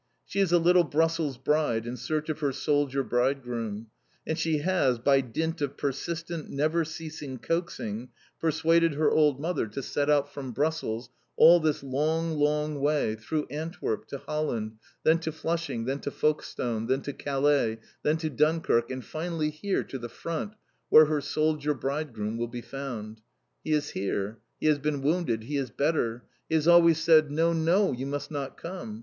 She is a little Brussels bride, in search of her soldier bridegroom, and she has, by dint of persistent, never ceasing coaxing, persuaded her old mother to set out from Brussels, all this long, long way, through Antwerp, to Holland, then to Flushing, then to Folkestone, then to Calais, then to Dunkirk, and finally here, to the Front, where her soldier bridegroom will be found. He is here. He has been wounded. He is better. He has always said, "No! no! you must not come."